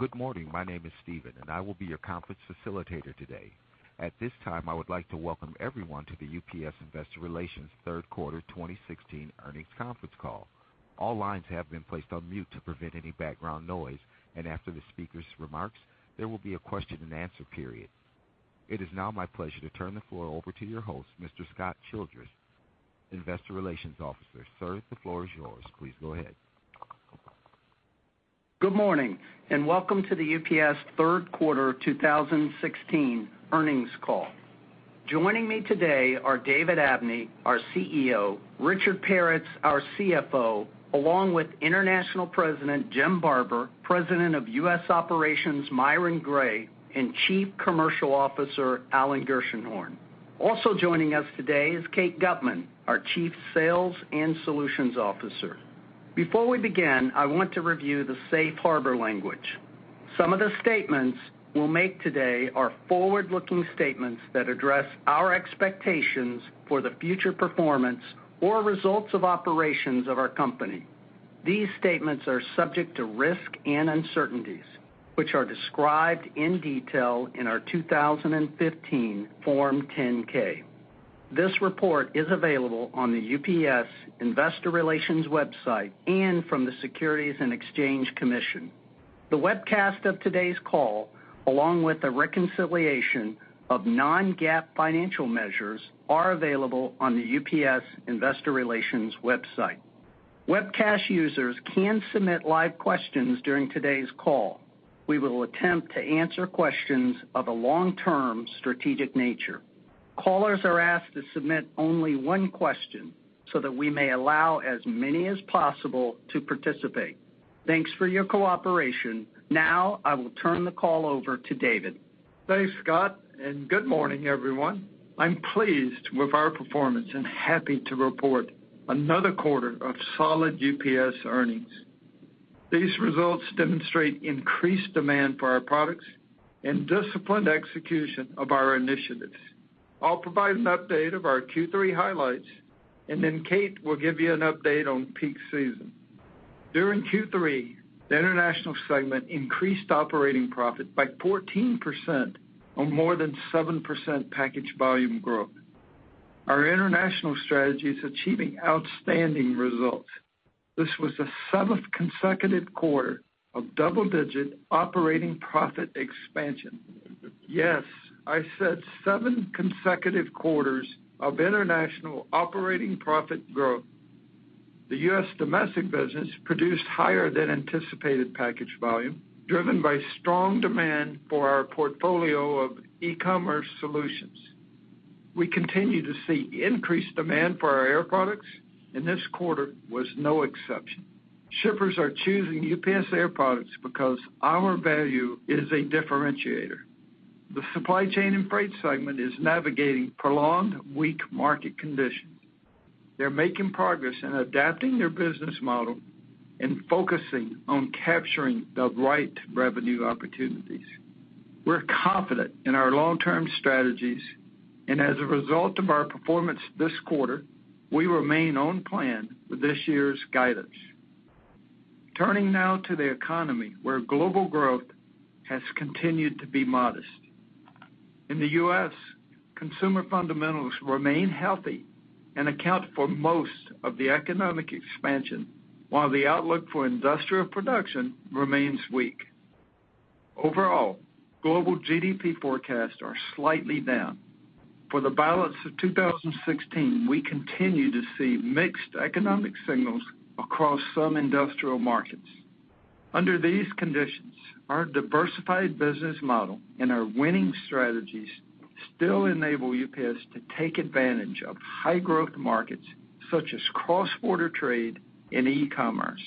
Good morning. My name is Steven, I will be your conference facilitator today. At this time, I would like to welcome everyone to the UPS Investor Relations third quarter 2016 earnings conference call. After the speaker's remarks, there will be a question and answer period. It is now my pleasure to turn the floor over to your host, Mr. Scott Childress, investor relations officer. Sir, the floor is yours. Please go ahead. Good morning. Welcome to the UPS third quarter 2016 earnings call. Joining me today are David Abney, our CEO, Richard Peretz, our CFO, along with International President Jim Barber, President of U.S. Operations Myron Gray, and Chief Commercial Officer Alan Gershenhorn. Also joining us today is Kate Gutmann, our Chief Sales and Solutions Officer. Before we begin, I want to review the safe harbor language. Some of the statements we'll make today are forward-looking statements that address our expectations for the future performance or results of operations of our company. These statements are subject to risk and uncertainties, which are described in detail in our 2015 Form 10-K. This report is available on the UPS Investor Relations website and from the Securities and Exchange Commission. The webcast of today's call, along with a reconciliation of non-GAAP financial measures, are available on the UPS Investor Relations website. Webcast users can submit live questions during today's call. We will attempt to answer questions of a long-term, strategic nature. Callers are asked to submit only one question so that we may allow as many as possible to participate. Thanks for your cooperation. I will turn the call over to David. Thanks, Scott. Good morning, everyone. I'm pleased with our performance and happy to report another quarter of solid UPS earnings. These results demonstrate increased demand for our products and disciplined execution of our initiatives. I'll provide an update of our Q3 highlights. Kate will give you an update on peak season. During Q3, the international segment increased operating profit by 14% on more than 7% package volume growth. Our international strategy is achieving outstanding results. This was the seventh consecutive quarter of double-digit operating profit expansion. Yes, I said seven consecutive quarters of international operating profit growth. The U.S. domestic business produced higher than anticipated package volume, driven by strong demand for our portfolio of e-commerce solutions. We continue to see increased demand for our air products. This quarter was no exception. Shippers are choosing UPS air products because our value is a differentiator. The supply chain and freight segment is navigating prolonged weak market conditions. They're making progress in adapting their business model and focusing on capturing the right revenue opportunities. We're confident in our long-term strategies, and as a result of our performance this quarter, we remain on plan with this year's guidance. Turning now to the economy, where global growth has continued to be modest. In the U.S., consumer fundamentals remain healthy and account for most of the economic expansion, while the outlook for industrial production remains weak. Overall, global GDP forecasts are slightly down. For the balance of 2016, we continue to see mixed economic signals across some industrial markets. Under these conditions, our diversified business model and our winning strategies still enable UPS to take advantage of high growth markets such as cross-border trade and e-commerce.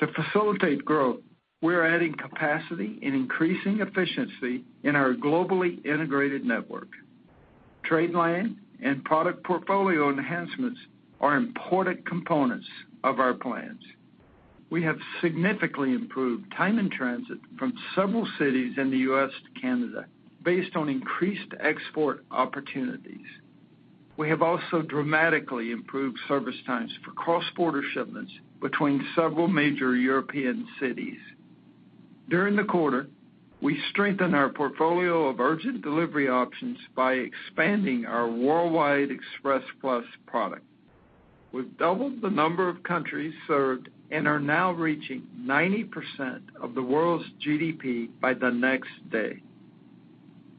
To facilitate growth, we're adding capacity and increasing efficiency in our globally integrated network. Trade lane and product portfolio enhancements are important components of our plans. We have significantly improved time and transit from several cities in the U.S. to Canada based on increased export opportunities. We have also dramatically improved service times for cross-border shipments between several major European cities. During the quarter, we strengthened our portfolio of urgent delivery options by expanding our Worldwide Express Plus product. We've doubled the number of countries served and are now reaching 90% of the world's GDP by the next day.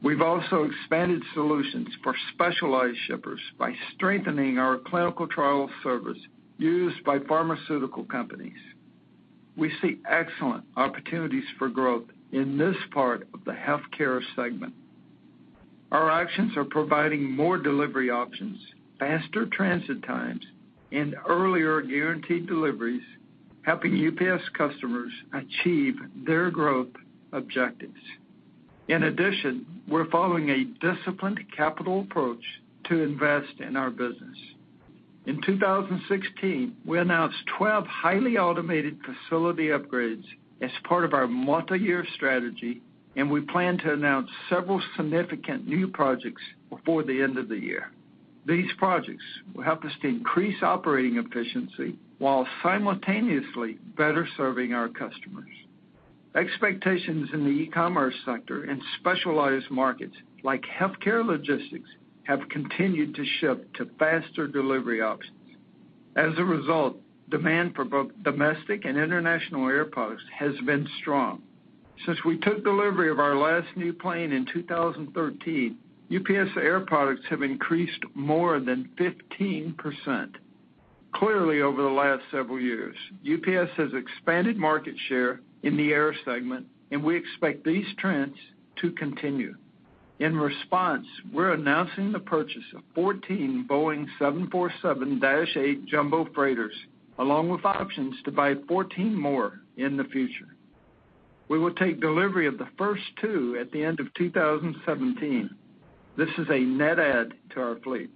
We've also expanded solutions for specialized shippers by strengthening our clinical trial service used by pharmaceutical companies. We see excellent opportunities for growth in this part of the healthcare segment. Our actions are providing more delivery options, faster transit times, and earlier guaranteed deliveries, helping UPS customers achieve their growth objectives. In addition, we're following a disciplined capital approach to invest in our business. In 2016, we announced 12 highly automated facility upgrades as part of our multi-year strategy, and we plan to announce several significant new projects before the end of the year. These projects will help us to increase operating efficiency while simultaneously better serving our customers. Expectations in the e-commerce sector and specialized markets like healthcare logistics have continued to shift to faster delivery options. As a result, demand for both domestic and international air posts has been strong. Since we took delivery of our last new plane in 2013, UPS Air products have increased more than 15%. Clearly, over the last several years, UPS has expanded market share in the air segment, and we expect these trends to continue. In response, we're announcing the purchase of 14 Boeing 747-8 Jumbo Freighters, along with options to buy 14 more in the future. We will take delivery of the first two at the end of 2017. This is a net add to our fleet.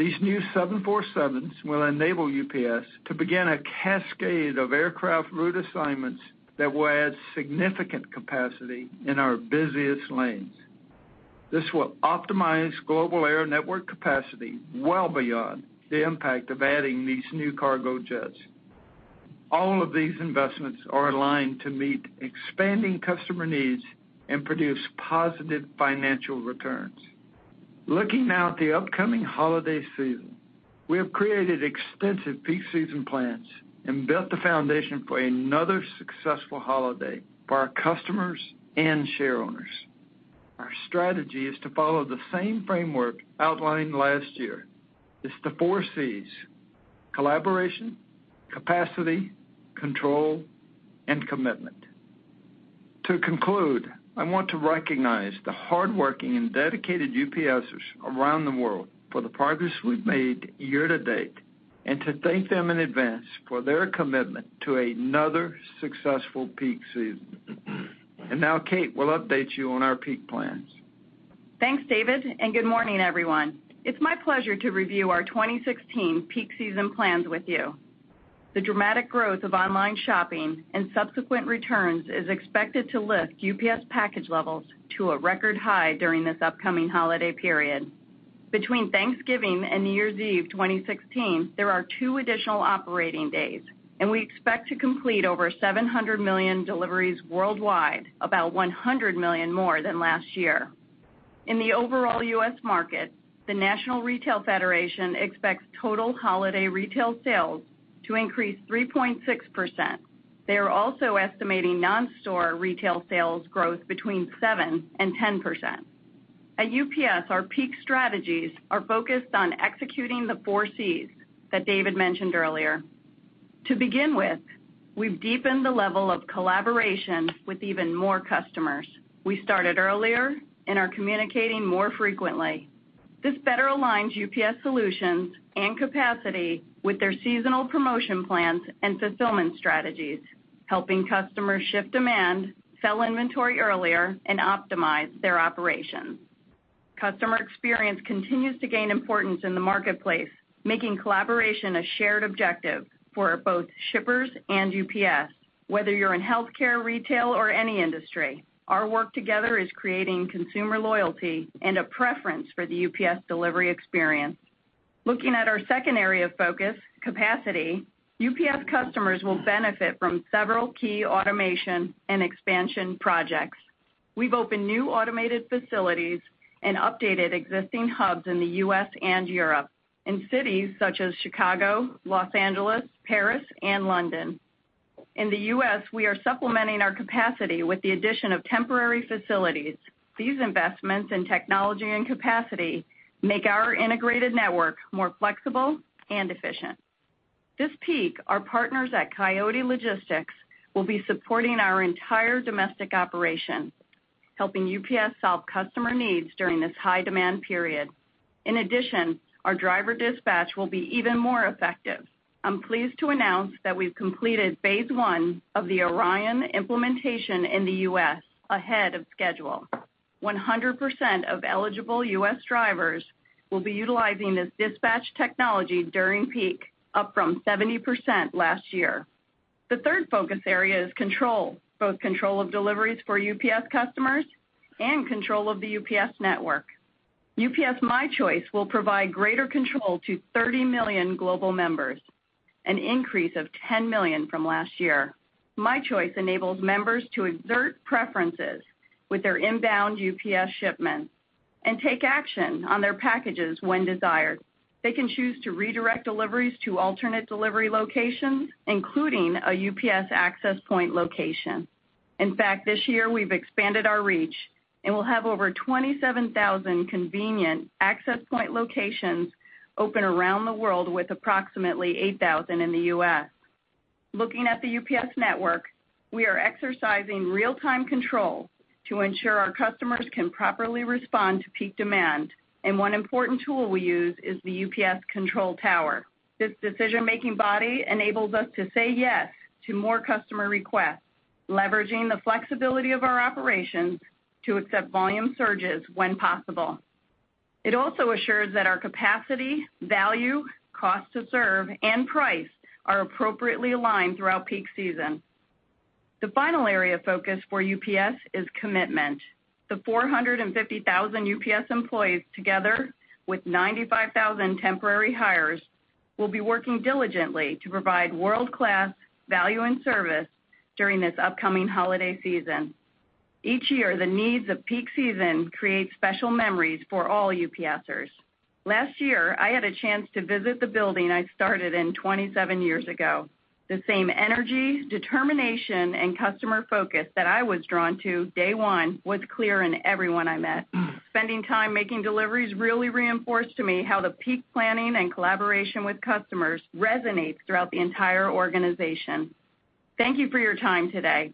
These new 747s will enable UPS to begin a cascade of aircraft route assignments that will add significant capacity in our busiest lanes. This will optimize global air network capacity well beyond the impact of adding these new cargo jets. All of these investments are aligned to meet expanding customer needs and produce positive financial returns. Looking now at the upcoming holiday season, we have created extensive peak season plans and built the foundation for another successful holiday for our customers and shareowners. Our strategy is to follow the same framework outlined last year. It's the four Cs: collaboration, capacity, control, and commitment. To conclude, I want to recognize the hardworking and dedicated UPSers around the world for the progress we've made year to date, to thank them in advance for their commitment to another successful peak season. Now Kate will update you on our peak plans. Thanks, David, good morning, everyone. It's my pleasure to review our 2016 peak season plans with you. The dramatic growth of online shopping and subsequent returns is expected to lift UPS package levels to a record high during this upcoming holiday period. Between Thanksgiving and New Year's Eve 2016, there are two additional operating days, we expect to complete over 700 million deliveries worldwide, about 100 million more than last year. In the overall U.S. market, the National Retail Federation expects total holiday retail sales to increase 3.6%. They are also estimating non-store retail sales growth between 7% and 10%. At UPS, our peak strategies are focused on executing the four Cs that David mentioned earlier. To begin with, we've deepened the level of collaboration with even more customers. We started earlier and are communicating more frequently. This better aligns UPS solutions and capacity with their seasonal promotion plans and fulfillment strategies, helping customers shift demand, sell inventory earlier, and optimize their operations. Customer experience continues to gain importance in the marketplace, making collaboration a shared objective for both shippers and UPS. Whether you're in healthcare, retail, or any industry, our work together is creating consumer loyalty and a preference for the UPS delivery experience. Looking at our second area of focus, capacity, UPS customers will benefit from several key automation and expansion projects. We've opened new automated facilities and updated existing hubs in the U.S. and Europe in cities such as Chicago, Los Angeles, Paris, and London. In the U.S., we are supplementing our capacity with the addition of temporary facilities. These investments in technology and capacity make our integrated network more flexible and efficient. This peak, our partners at Coyote Logistics will be supporting our entire domestic operation, helping UPS solve customer needs during this high-demand period. In addition, our driver dispatch will be even more effective. I'm pleased to announce that we've completed phase 1 of the ORION implementation in the U.S. ahead of schedule. 100% of eligible U.S. drivers will be utilizing this dispatch technology during peak, up from 70% last year. The third focus area is control, both control of deliveries for UPS customers and control of the UPS network. UPS My Choice will provide greater control to 30 million global members, an increase of 10 million from last year. My Choice enables members to exert preferences with their inbound UPS shipments and take action on their packages when desired. They can choose to redirect deliveries to alternate delivery locations, including a UPS Access Point location. In fact, this year, we've expanded our reach, and we'll have over 27,000 convenient Access Point locations open around the world with approximately 8,000 in the U.S. Looking at the UPS network, we are exercising real-time control to ensure our customers can properly respond to peak demand, and one important tool we use is the UPS Control Tower. This decision-making body enables us to say yes to more customer requests, leveraging the flexibility of our operations to accept volume surges when possible. It also assures that our capacity, value, cost to serve, and price are appropriately aligned throughout peak season. The final area of focus for UPS is commitment. The 450,000 UPS employees, together with 95,000 temporary hires, will be working diligently to provide world-class value and service during this upcoming holiday season. Each year, the needs of peak season create special memories for all UPSers. Thanks, Kate. Last year, I had a chance to visit the building I started in 27 years ago. The same energy, determination, and customer focus that I was drawn to day one was clear in everyone I met. Spending time making deliveries really reinforced to me how the peak planning and collaboration with customers resonates throughout the entire organization. Thank you for your time today,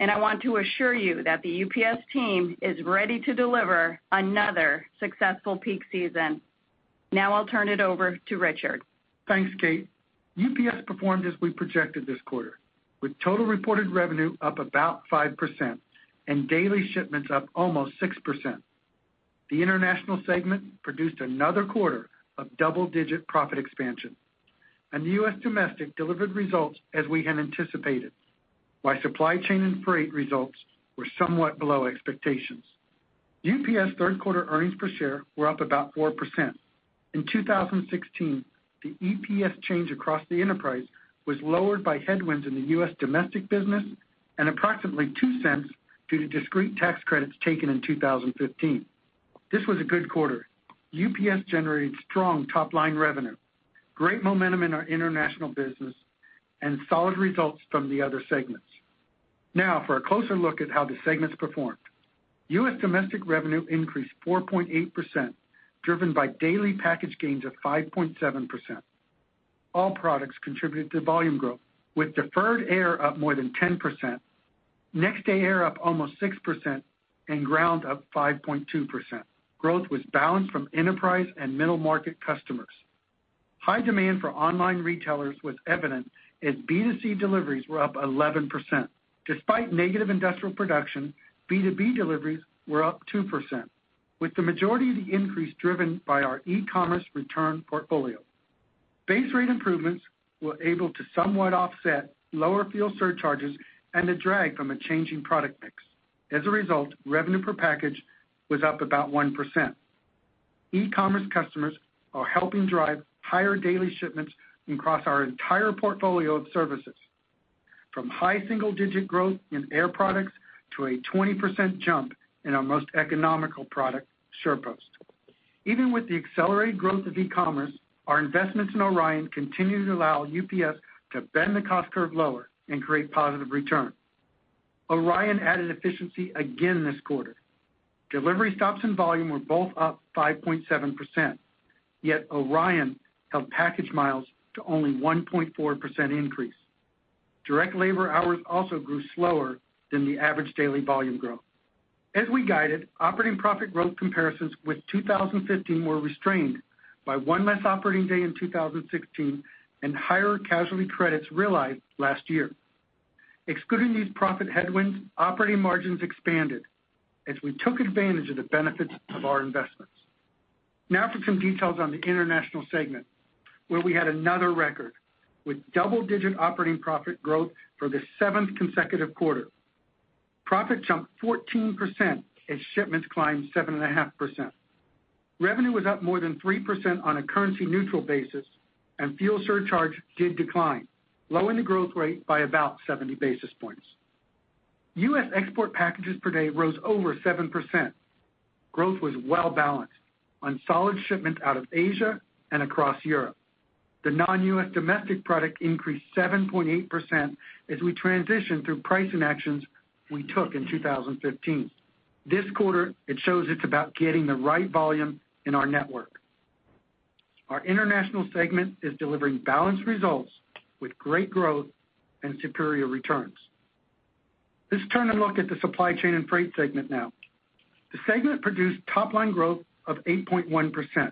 and I want to assure you that the UPS team is ready to deliver another successful peak season. Now I'll turn it over to Richard. Thanks, Kate. UPS performed as we projected this quarter, with total reported revenue up about 5% and daily shipments up almost 6%. The international segment produced another quarter of double-digit profit expansion, and the U.S. domestic delivered results as we had anticipated, while supply chain and freight results were somewhat below expectations. UPS third quarter earnings per share were up about 4%. In 2016, the EPS change across the enterprise was lowered by headwinds in the U.S. domestic business and approximately $0.02 due to discrete tax credits taken in 2015. This was a good quarter. UPS generated strong top-line revenue, great momentum in our international business, and solid results from the other segments. Now for a closer look at how the segments performed. U.S. domestic revenue increased 4.8%, driven by daily package gains of 5.7%. All products contributed to volume growth, with deferred air up more than 10%, Next Day Air up almost 6%, and ground up 5.2%. Growth was balanced from enterprise and middle-market customers. High demand for online retailers was evident as B2C deliveries were up 11%. Despite negative industrial production, B2B deliveries were up 2%, with the majority of the increase driven by our e-commerce return portfolio. Base rate improvements were able to somewhat offset lower fuel surcharges and the drag from a changing product mix. As a result, revenue per package was up about 1%. E-commerce customers are helping drive higher daily shipments across our entire portfolio of services, from high single-digit growth in air products to a 20% jump in our most economical product, SurePost. Even with the accelerated growth of e-commerce, our investments in ORION continue to allow UPS to bend the cost curve lower and create positive return. ORION added efficiency again this quarter. Delivery stops and volume were both up 5.7%, yet ORION held package miles to only 1.4% increase. Direct labor hours also grew slower than the average daily volume growth. As we guided, operating profit growth comparisons with 2015 were restrained by one less operating day in 2016 and higher casualty credits realized last year. Excluding these profit headwinds, operating margins expanded as we took advantage of the benefits of our investments. Now for some details on the international segment, where we had another record, with double-digit operating profit growth for the seventh consecutive quarter. Profit jumped 14% as shipments climbed 7.5%. Revenue was up more than 3% on a currency-neutral basis, and fuel surcharge did decline, lowering the growth rate by about 70 basis points. U.S. export packages per day rose over 7%. Growth was well-balanced on solid shipments out of Asia and across Europe. The non-U.S. domestic product increased 7.8% as we transitioned through pricing actions we took in 2015. This quarter, it shows it's about getting the right volume in our network. Our international segment is delivering balanced results with great growth and superior returns. Let's turn and look at the supply chain and freight segment now. The segment produced top-line growth of 8.1%,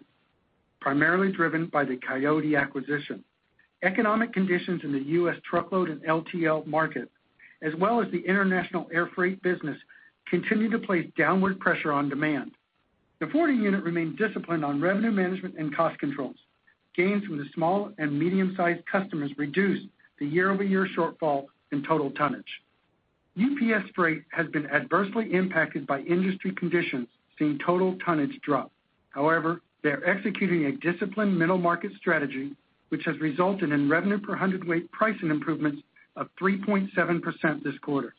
primarily driven by the Coyote acquisition. Economic conditions in the U.S. truckload and LTL market, as well as the international air freight business, continue to place downward pressure on demand. The forwarding unit remained disciplined on revenue management and cost controls. Gains from the small and medium-sized customers reduced the year-over-year shortfall in total tonnage. UPS Freight has been adversely impacted by industry conditions, seeing total tonnage drop. However, they are executing a disciplined middle market strategy, which has resulted in revenue per hundredweight pricing improvements of 3.7% this quarter.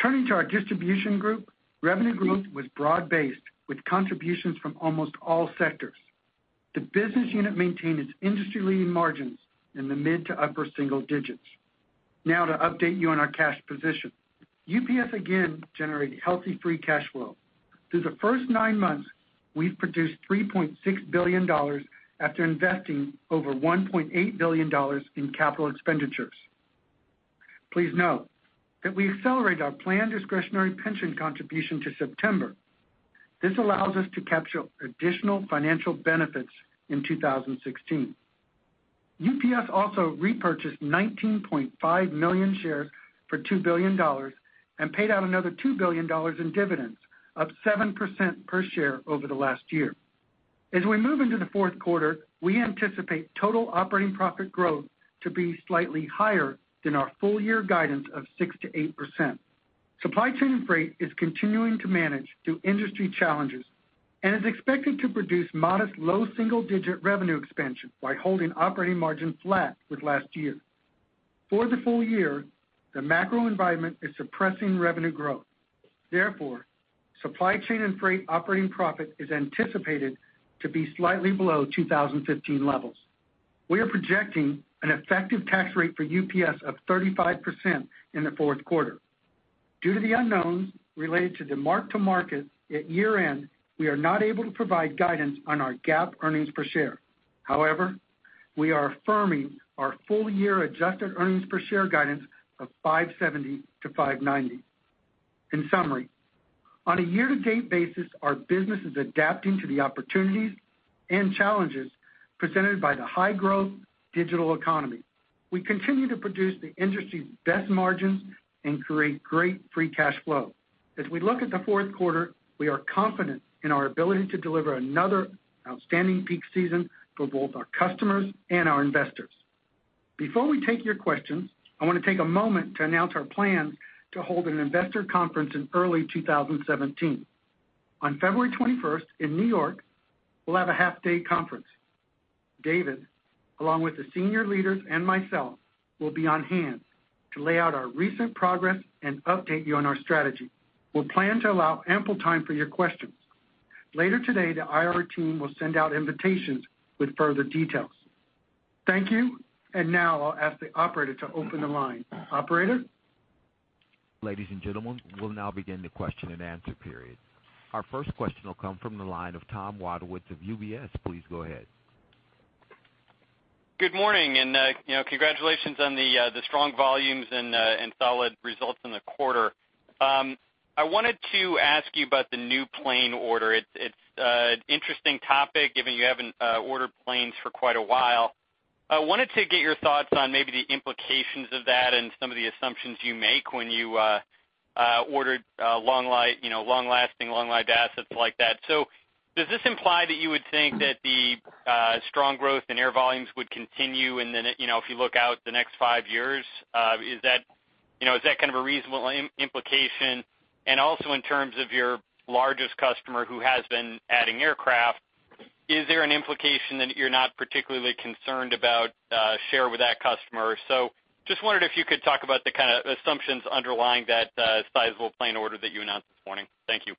Turning to our distribution group, revenue growth was broad-based, with contributions from almost all sectors. The business unit maintained its industry-leading margins in the mid to upper single digits. Now to update you on our cash position. UPS again generated healthy free cash flow. Through the first nine months, we've produced $3.6 billion after investing over $1.8 billion in capital expenditures. Please note that we accelerated our planned discretionary pension contribution to September. This allows us to capture additional financial benefits in 2016. UPS also repurchased 19.5 million shares for $2 billion and paid out another $2 billion in dividends, up 7% per share over the last year. As we move into the fourth quarter, we anticipate total operating profit growth to be slightly higher than our full-year guidance of 6%-8%. Supply chain and freight is continuing to manage through industry challenges and is expected to produce modest low single-digit revenue expansion while holding operating margin flat with last year. For the full year, the macro environment is suppressing revenue growth. Therefore, supply chain and freight operating profit is anticipated to be slightly below 2015 levels. We are projecting an effective tax rate for UPS of 35% in the fourth quarter. Due to the unknowns related to the mark to market at year end, we are not able to provide guidance on our GAAP earnings per share. However, we are affirming our full year adjusted earnings per share guidance of $5.70-$5.90. In summary, on a year-to-date basis, our business is adapting to the opportunities and challenges presented by the high growth digital economy. We continue to produce the industry's best margins and create great free cash flow. As we look at the fourth quarter, we are confident in our ability to deliver another outstanding peak season for both our customers and our investors. Before we take your questions, I want to take a moment to announce our plan to hold an investor conference in early 2017. On February 21st in New York, we'll have a half-day conference. David, along with the senior leaders and myself, will be on hand to lay out our recent progress and update you on our strategy. We'll plan to allow ample time for your questions. Later today, the IR team will send out invitations with further details. Thank you. Now I'll ask the operator to open the line. Operator? Ladies and gentlemen, we'll now begin the question and answer period. Our first question will come from the line of Tom Wadewitz of UBS. Please go ahead. Good morning, congratulations on the strong volumes and solid results in the quarter. I wanted to ask you about the new plane order. It's an interesting topic, given you haven't ordered planes for quite a while. I wanted to get your thoughts on maybe the implications of that and some of the assumptions you make when you ordered long-lasting, long-lived assets like that. Does this imply that you would think that the strong growth in air volumes would continue and then, if you look out the next five years, is that kind of a reasonable implication? Also in terms of your largest customer who has been adding aircraft, is there an implication that you're not particularly concerned about share with that customer? Just wondered if you could talk about the kind of assumptions underlying that sizable plane order that you announced this morning. Thank you.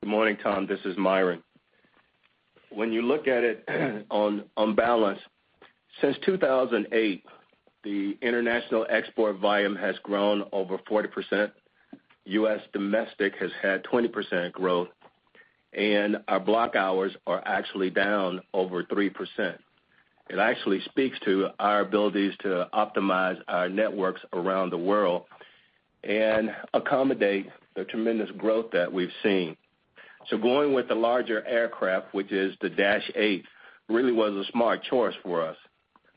Good morning, Tom. This is Myron. When you look at it on balance, since 2008, the international export volume has grown over 40%, U.S. domestic has had 20% growth, and our block hours are actually down over 3%. It actually speaks to our abilities to optimize our networks around the world and accommodate the tremendous growth that we've seen. Going with the larger aircraft, which is the Dash 8, really was a smart choice for us.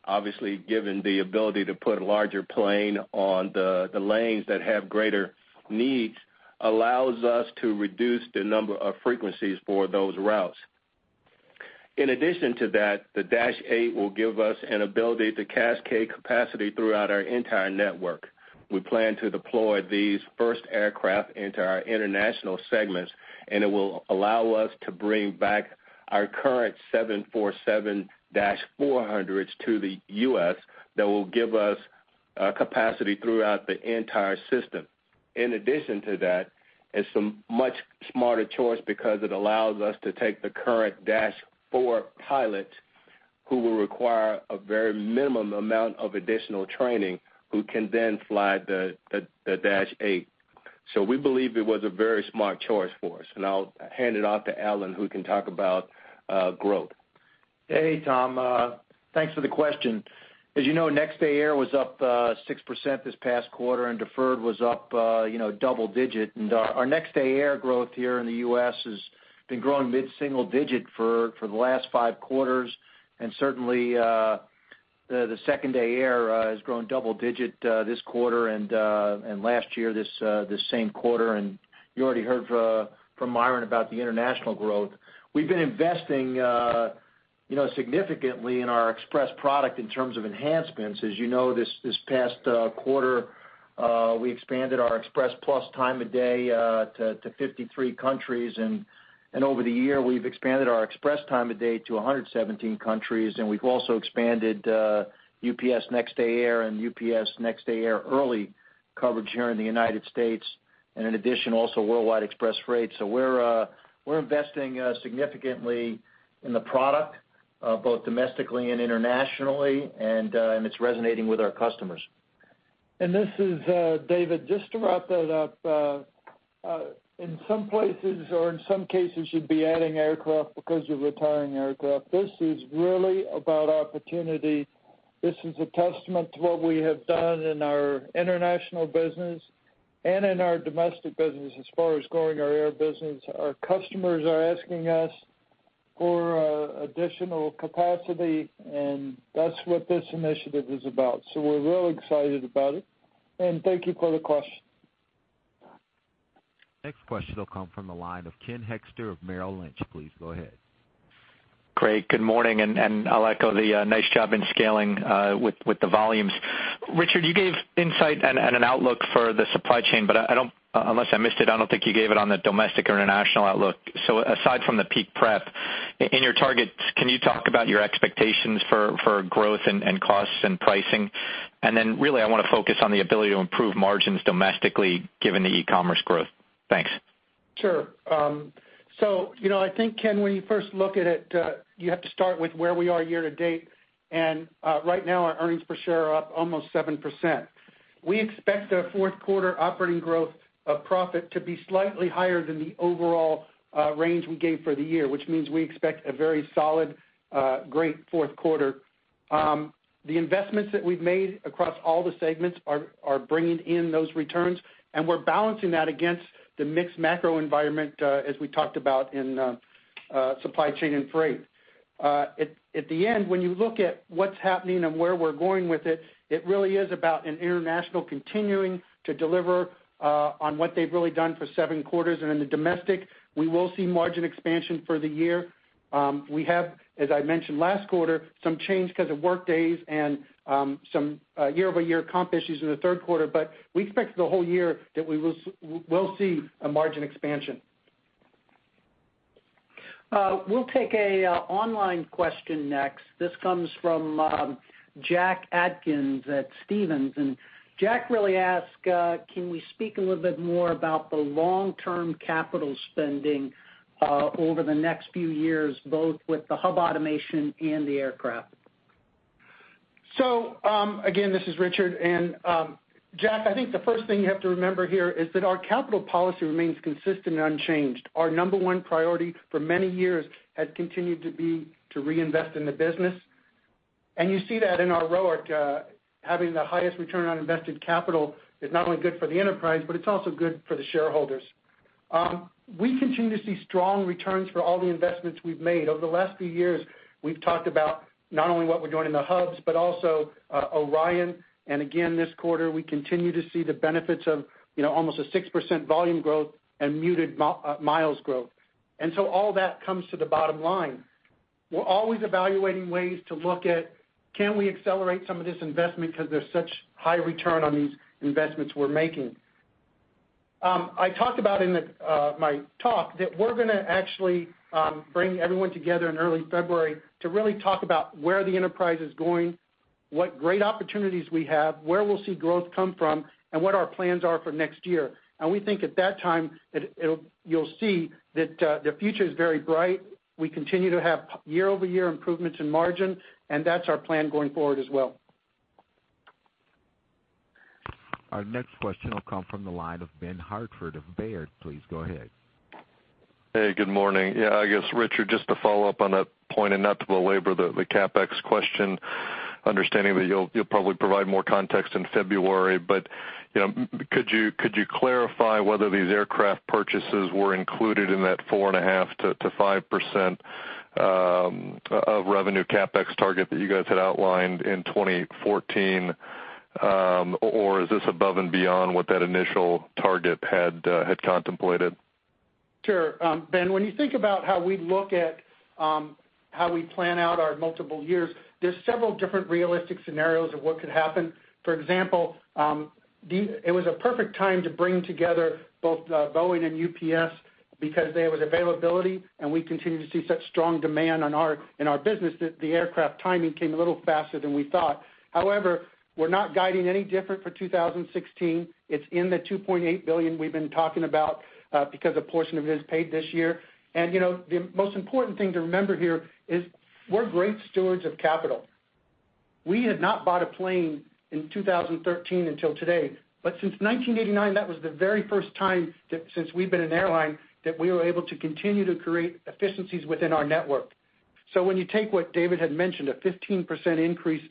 Obviously, given the ability to put a larger plane on the lanes that have greater needs allows us to reduce the number of frequencies for those routes. In addition to that, the Dash 8 will give us an ability to cascade capacity throughout our entire network. We plan to deploy these first aircraft into our international segments, and it will allow us to bring back our current 747-400s to the U.S. that will give us capacity throughout the entire system. In addition to that, it's a much smarter choice because it allows us to take the current Dash 4 pilot, who will require a very minimum amount of additional training, who can then fly the Dash 8. We believe it was a very smart choice for us, and I'll hand it off to Alan, who can talk about growth. Hey, Tom. Thanks for the question. As you know, Next Day Air was up 6% this past quarter, and Deferred was up double digit. Our Next Day Air growth here in the U.S. has been growing mid-single digit for the last five quarters. Certainly, the 2nd Day Air has grown double digit this quarter and last year this same quarter. You already heard from Myron about the international growth. We've been investing significantly in our Express product in terms of enhancements. As you know, this past quarter, we expanded our Express Plus time of day to 53 countries. Over the year, we've expanded our Express time of day to 117 countries, and we've also expanded UPS Next Day Air and UPS Next Day Air Early coverage here in the United States. In addition, also Worldwide Express Freight. We're investing significantly in the product, both domestically and internationally, and it's resonating with our customers. This is David. Just to wrap that up, in some places or in some cases, you'd be adding aircraft because you're retiring aircraft. This is really about opportunity. This is a testament to what we have done in our international business and in our domestic business as far as growing our air business. Our customers are asking us for additional capacity, and that's what this initiative is about. We're real excited about it, and thank you for the question. Next question will come from the line of Ken Hoexter of Merrill Lynch. Please go ahead. Great, good morning. I'll echo the nice job in scaling with the volumes. Richard, you gave insight and an outlook for the supply chain. Unless I missed it, I don't think you gave it on the domestic or international outlook. Aside from the peak prep, in your targets, can you talk about your expectations for growth and costs and pricing? Really, I want to focus on the ability to improve margins domestically, given the e-commerce growth. Thanks. Sure. I think, Ken, when you first look at it, you have to start with where we are year to date. Right now our earnings per share are up almost 7%. We expect our fourth quarter operating growth of profit to be slightly higher than the overall range we gave for the year, which means we expect a very solid, great fourth quarter. The investments that we've made across all the segments are bringing in those returns, and we're balancing that against the mixed macro environment, as we talked about in supply chain and freight. At the end, when you look at what's happening and where we're going with it really is about in international continuing to deliver on what they've really done for seven quarters. In the domestic, we will see margin expansion for the year. We have, as I mentioned last quarter, some change because of workdays and some year-over-year comp issues in the third quarter. We expect the whole year that we'll see a margin expansion. We'll take an online question next. This comes from Jack Atkins at Stephens. Jack really asks, can we speak a little bit more about the long-term capital spending over the next few years, both with the hub automation and the aircraft? Again, this is Richard. Jack, I think the first thing you have to remember here is that our capital policy remains consistent and unchanged. Our number one priority for many years has continued to be to reinvest in the business. You see that in our ROIC, having the highest return on invested capital is not only good for the enterprise, but it's also good for the shareholders. We continue to see strong returns for all the investments we've made. Over the last few years, we've talked about not only what we're doing in the hubs, but also ORION. Again, this quarter, we continue to see the benefits of almost a 6% volume growth and muted miles growth. All that comes to the bottom line. We're always evaluating ways to look at can we accelerate some of this investment because there's such high return on these investments we're making? I talked about in my talk that we're going to actually bring everyone together in early February to really talk about where the enterprise is going, what great opportunities we have, where we'll see growth come from, and what our plans are for next year. We think at that time, you'll see that the future is very bright. We continue to have year-over-year improvements in margin. That's our plan going forward as well. Our next question will come from the line of Ben Hartford of Baird. Please go ahead. Hey, good morning. I guess, Richard, just to follow up on that point and not to belabor the CapEx question, understanding that you'll probably provide more context in February. Could you clarify whether these aircraft purchases were included in that 4.5%-5% of revenue CapEx target that you guys had outlined in 2014? Is this above and beyond what that initial target had contemplated? Sure. Ben, when you think about how we look at how we plan out our multiple years, there's several different realistic scenarios of what could happen. For example, it was a perfect time to bring together both Boeing and UPS because there was availability, and we continue to see such strong demand in our business that the aircraft timing came a little faster than we thought. However, we're not guiding any different for 2016. It's in the $2.8 billion we've been talking about because a portion of it is paid this year. The most important thing to remember here is we're great stewards of capital. We had not bought a plane in 2013 until today. Since 1989, that was the very first time since we've been an airline that we were able to continue to create efficiencies within our network. When you take what David had mentioned, a 15% increase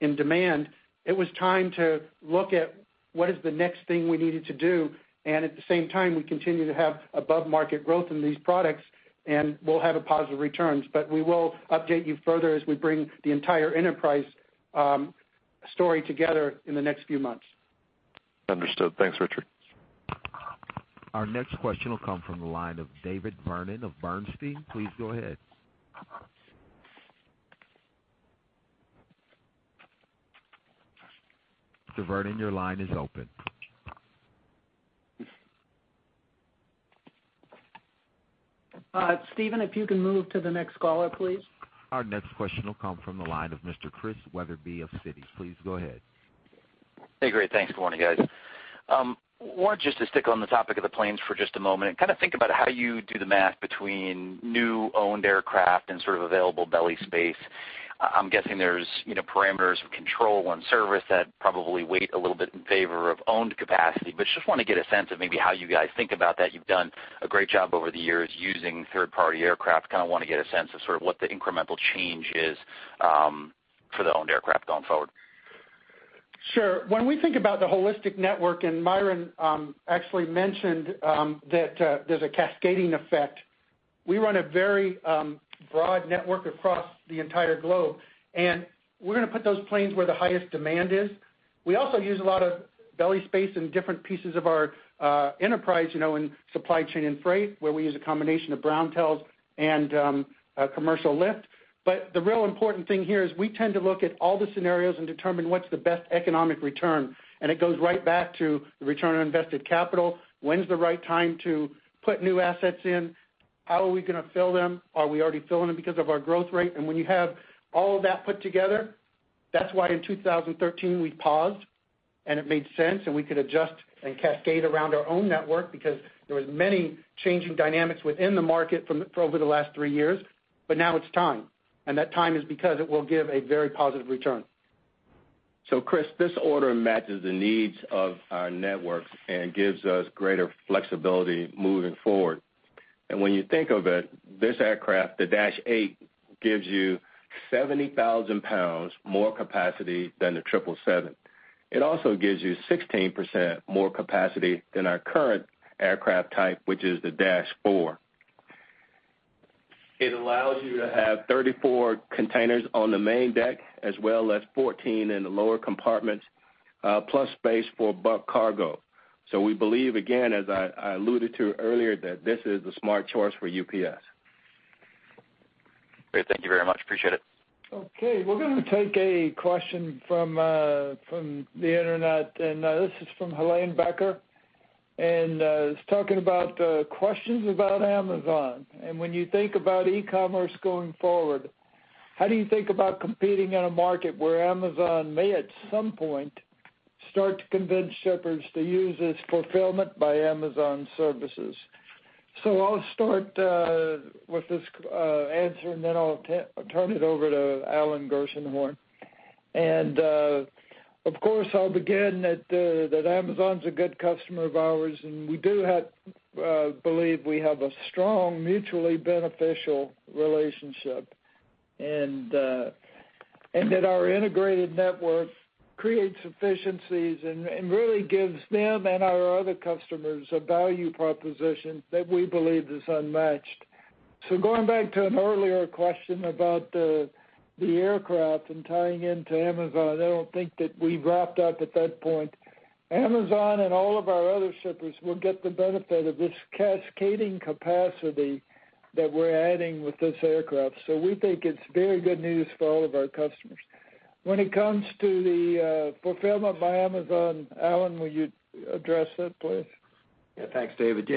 in demand, it was time to look at what is the next thing we needed to do. At the same time, we continue to have above-market growth in these products, and we'll have positive returns. We will update you further as we bring the entire enterprise story together in the next few months. Understood. Thanks, Richard. Our next question will come from the line of David Vernon of Bernstein. Please go ahead. Mr. Vernon, your line is open. Steven, if you can move to the next caller, please. Our next question will come from the line of Mr. Chris Wetherbee of Citi. Please go ahead. Hey, great. Thanks. Good morning, guys. Wanted just to stick on the topic of the planes for just a moment and kind of think about how you do the math between new owned aircraft and sort of available belly space. I'm guessing there's parameters of control and service that probably weight a little bit in favor of owned capacity. Just want to get a sense of maybe how you guys think about that. You've done a great job over the years using third-party aircraft, kind of want to get a sense of sort of what the incremental change is for the owned aircraft going forward. Sure. When we think about the holistic network, Myron actually mentioned that there's a cascading effect. We run a very broad network across the entire globe, we're going to put those planes where the highest demand is. We also use a lot of belly space in different pieces of our enterprise, in supply chain and freight, where we use a combination of brown tails and commercial lift. The real important thing here is we tend to look at all the scenarios and determine what's the best economic return. It goes right back to the return on invested capital. When's the right time to put new assets in? How are we going to fill them? Are we already filling them because of our growth rate? When you have all of that put together, that's why in 2013, we paused. It made sense. We could adjust and cascade around our own network because there was many changing dynamics within the market for over the last three years. Now it's time. That time is because it will give a very positive return. Chris, this order matches the needs of our networks and gives us greater flexibility moving forward. When you think of it, this aircraft, the Dash 8, gives you 70,000 pounds more capacity than the 777. It also gives you 16% more capacity than our current aircraft type, which is the Dash 4. It allows you to have 34 containers on the main deck as well as 14 in the lower compartments, plus space for bulk cargo. We believe, again, as I alluded to earlier, that this is the smart choice for UPS. Great. Thank you very much. Appreciate it. Okay. We're going to take a question from the internet. This is from Helane Becker, and it's talking about questions about Amazon. When you think about e-commerce going forward, how do you think about competing in a market where Amazon may at some point start to convince shippers to use its Fulfillment by Amazon services? I'll start with this answer, then I'll turn it over to Alan Gershenhorn. Of course, I'll begin that Amazon's a good customer of ours, and we do believe we have a strong, mutually beneficial relationship. That our integrated network creates efficiencies and really gives them and our other customers a value proposition that we believe is unmatched. Going back to an earlier question about the aircraft and tying into Amazon, I don't think that we wrapped up at that point. Amazon and all of our other shippers will get the benefit of this cascading capacity that we're adding with this aircraft. We think it's very good news for all of our customers. When it comes to the Fulfillment by Amazon, Alan, will you address that, please? Yeah. Thanks, David.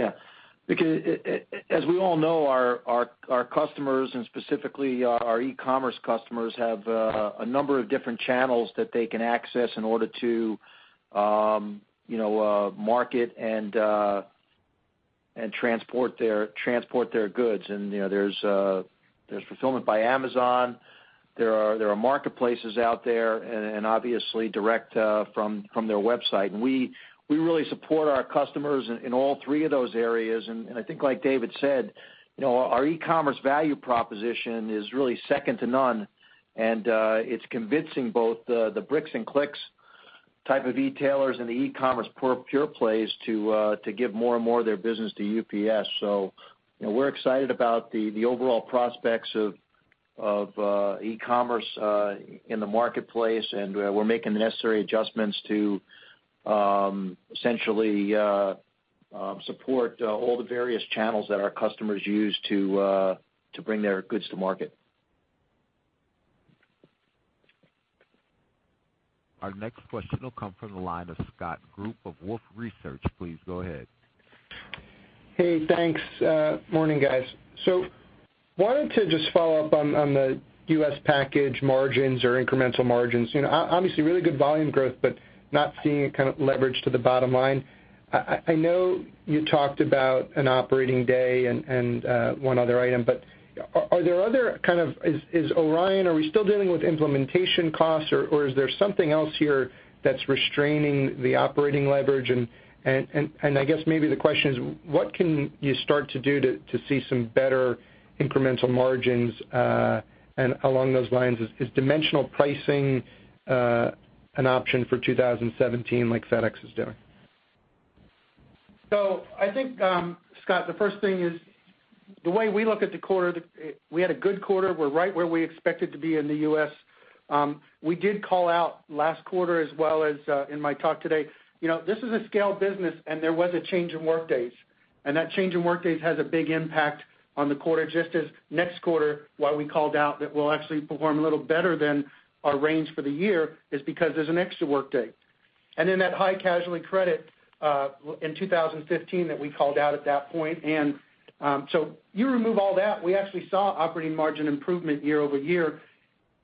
As we all know, our customers and specifically our e-commerce customers, have a number of different channels that they can access in order to market and transport their goods. There's Fulfillment by Amazon, there are marketplaces out there and obviously direct from their website. We really support our customers in all three of those areas. I think like David said, our e-commerce value proposition is really second to none, and it's convincing both the bricks and clicks type of e-tailers and the e-commerce pure plays to give more and more of their business to UPS. We're excited about the overall prospects of e-commerce in the marketplace, and we're making the necessary adjustments to essentially support all the various channels that our customers use to bring their goods to market. Our next question will come from the line of Scott Group of Wolfe Research. Please go ahead. Hey, thanks. Morning, guys. Wanted to just follow up on the U.S. package margins or incremental margins. Obviously, really good volume growth, but not seeing it leveraged to the bottom line. I know you talked about an operating day and one other item, but are we still dealing with implementation costs or is there something else here that's restraining the operating leverage? And I guess maybe the question is what can you start to do to see some better incremental margins? And along those lines, is dimensional pricing an option for 2017 like FedEx is doing? I think, Scott, the first thing is the way we look at the quarter, we had a good quarter. We're right where we expected to be in the U.S. We did call out last quarter as well as in my talk today. This is a scale business and there was a change in workdays. That change in workdays has a big impact on the quarter, just as next quarter, why we called out that we'll actually perform a little better than our range for the year is because there's an extra workday. Then that high casualty credit in 2015 that we called out at that point. You remove all that, we actually saw operating margin improvement year-over-year,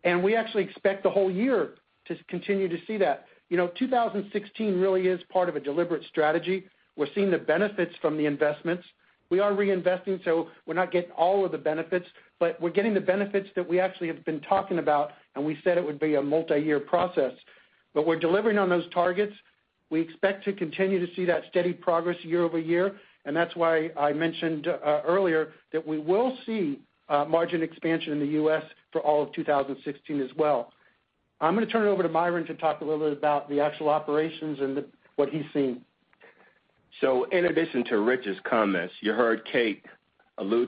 and we actually expect the whole year to continue to see that. 2016 really is part of a deliberate strategy. We're seeing the benefits from the investments. We are reinvesting, so we're not getting all of the benefits, but we're getting the benefits that we actually have been talking about, and we said it would be a multi-year process. We're delivering on those targets. We expect to continue to see that steady progress year-over-year, and that's why I mentioned earlier that we will see margin expansion in the U.S. for all of 2016 as well. I'm going to turn it over to Myron to talk a little bit about the actual operations and what he's seeing. In addition to Rich's comments, you heard Kate allude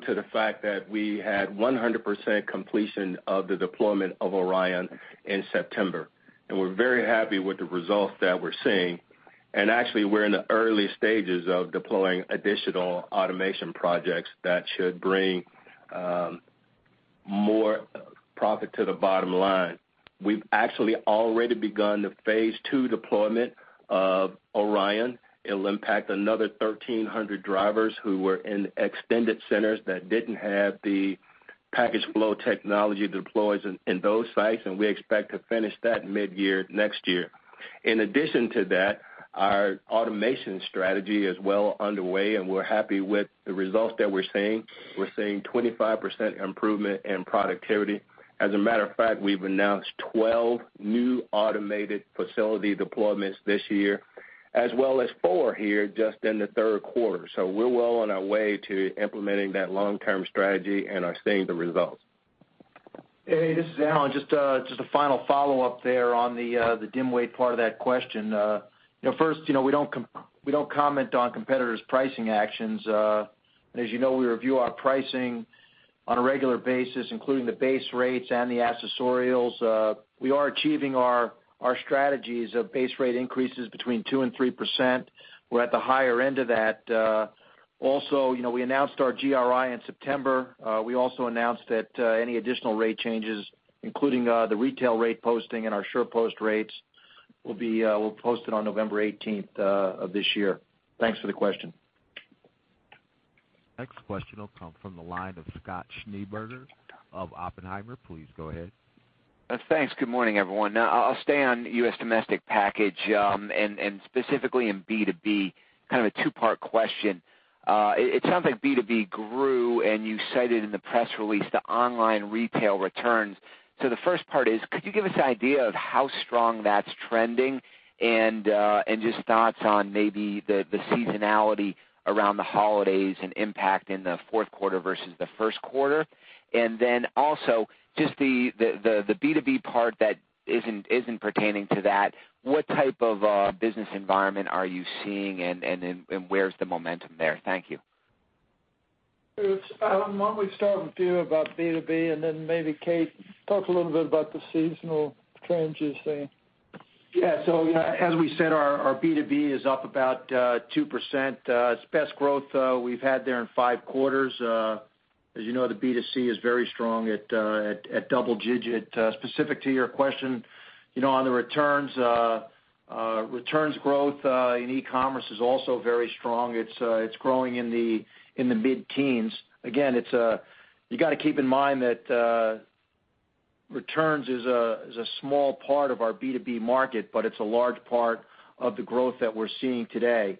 to the fact that we had 100% completion of the deployment of ORION in September. We're very happy with the results that we're seeing. Actually, we're in the early stages of deploying additional automation projects that should bring more profit to the bottom line. We've actually already begun the phase 2 deployment of ORION. It'll impact another 1,300 drivers who were in extended centers that didn't have the package flow technology deployed in those sites. We expect to finish that mid-year next year. In addition to that, our automation strategy is well underway. We're happy with the results that we're seeing. We're seeing 25% improvement in productivity. As a matter of fact, we've announced 12 new automated facility deployments this year, as well as four here just in the third quarter. We're well on our way to implementing that long-term strategy. We are seeing the results. Hey, this is Alan. Just a final follow-up there on the dim weight part of that question. First, we don't comment on competitors' pricing actions. As you know, we review our pricing on a regular basis, including the base rates, the accessorials. We are achieving our strategies of base rate increases between 2% and 3%. We're at the higher end of that. Also, we announced our GRI in September. We also announced that any additional rate changes, including the retail rate posting and our SurePost rates, will be posted on November 18th of this year. Thanks for the question. Next question will come from the line of Scott Schneeberger of Oppenheimer. Please go ahead. Thanks. Good morning, everyone. I'll stay on U.S. domestic package, and specifically in B2B, kind of a two-part question. It sounds like B2B grew, and you cited in the press release the online retail returns. The first part is, could you give us an idea of how strong that's trending and just thoughts on maybe the seasonality around the holidays and impact in the fourth quarter versus the first quarter? Also, just the B2B part that isn't pertaining to that, what type of business environment are you seeing, and where's the momentum there? Thank you. Alan, why don't we start with you about B2B, and then maybe Kate, talk a little bit about the seasonal trends you're seeing. As we said, our B2B is up about 2%. It's the best growth we've had there in five quarters. As you know, the B2C is very strong at double digit. Specific to your question, on the returns growth in e-commerce is also very strong. It's growing in the mid-teens. Again, you got to keep in mind that returns is a small part of our B2B market, but it's a large part of the growth that we're seeing today.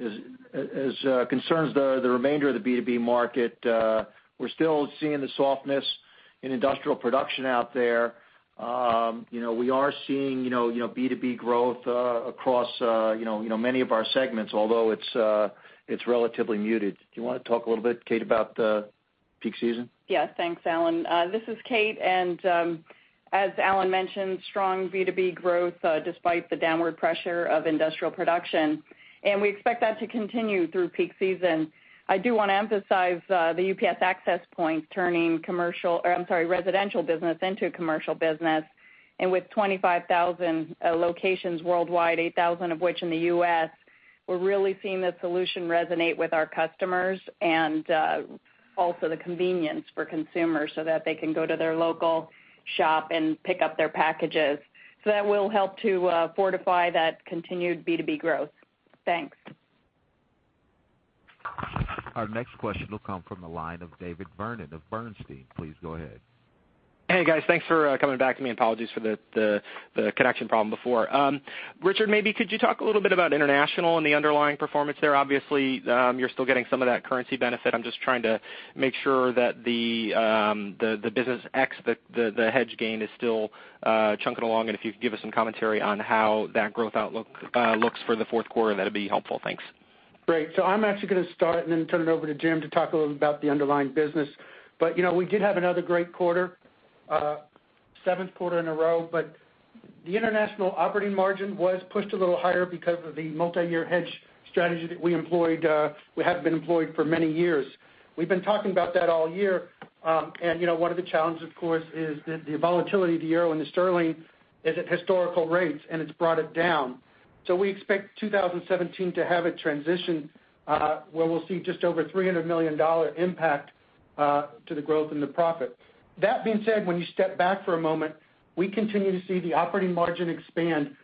As concerns the remainder of the B2B market, we're still seeing the softness in industrial production out there. We are seeing B2B growth across many of our segments, although it's relatively muted. Do you want to talk a little bit, Kate, about the peak season? Yes. Thanks, Alan. This is Kate, and as Alan mentioned, strong B2B growth despite the downward pressure of industrial production. We expect that to continue through peak season. I do want to emphasize the UPS Access Point turning residential business into commercial business. With 25,000 locations worldwide, 8,000 of which in the U.S., we're really seeing the solution resonate with our customers and also the convenience for consumers so that they can go to their local shop and pick up their packages. That will help to fortify that continued B2B growth. Thanks. Our next question will come from the line of David Vernon of Bernstein. Please go ahead. Hey, guys. Thanks for coming back to me. Apologies for the connection problem before. Richard, maybe could you talk a little bit about international and the underlying performance there? Obviously, you're still getting some of that currency benefit. I'm just trying to make sure that the business hedge gain is still chunking along, and if you could give us some commentary on how that growth outlook looks for the fourth quarter, that'd be helpful. Thanks. Great. I'm actually going to start and then turn it over to Jim to talk a little bit about the underlying business. We did have another great quarter, seventh quarter in a row. The international operating margin was pushed a little higher because of the multi-year hedge strategy that we have been employed for many years. We've been talking about that all year. One of the challenges, of course, is the volatility of the euro and the sterling is at historical rates, and it's brought it down. We expect 2017 to have a transition where we'll see just over $300 million impact to the growth and the profit. That being said, when you step back for a moment, we continue to see the operating margin expand.